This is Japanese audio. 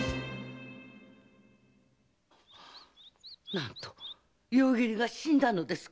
なんと夕霧が死んだのですか？